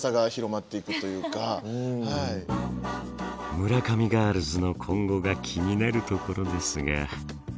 村上ガールズの今後が気になるところですが。